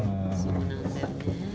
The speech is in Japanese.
そうなんだよね。